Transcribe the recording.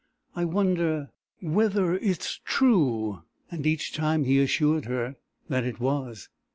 "I wonder whether it's true." And each time he assured her that it was.